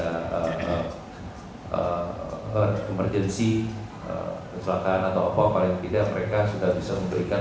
kemerjensi keselakaan atau apa paling tidak mereka sudah bisa memberikan